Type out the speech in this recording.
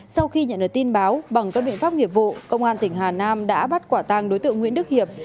sau khi nhận được tin báo bằng các biện pháp nghiệp vụ công an tỉnh hà nam đã bắt quả tàng đối tượng nguyễn đức hiệp